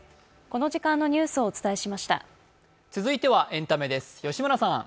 続いてはエンタメです。